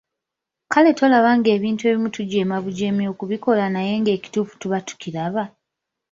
Kale tolaba ng'ebintu ebimu tujeemabujeemi kubikola naye ng'ekituufu tuba tukiraba?